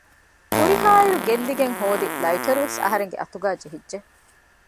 ހުރިހާއިރު ގެއްލިގެން ހޯދި ލައިޓަރުވެސް އަހަރެންގެ އަތުގައި ޖެހިއްޖެ